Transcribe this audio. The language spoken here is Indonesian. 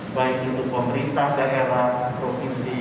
baik itu pemerintah daerah provinsi